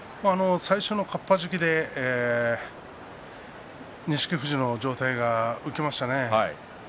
最初のかっぱじきで錦富士の上体が起きましたね。